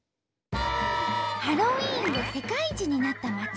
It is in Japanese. ハロウィーンで世界一になった街。